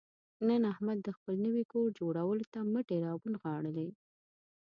نن احمد د خپل نوي کور جوړولو ته مټې را ونغاړلې.